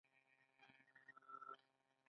د څاڅکي اوبو لګولو سیستم ګټور دی.